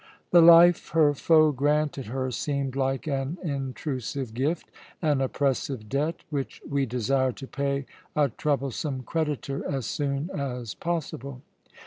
The life her foe granted her seemed like an intrusive gift, an oppressive debt, which we desire to pay a troublesome creditor as soon as possible.